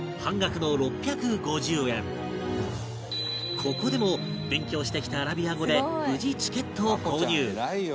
ここでも勉強してきたアラビア語で無事チケットを購入